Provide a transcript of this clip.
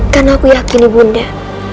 karena aku yakin ibu undah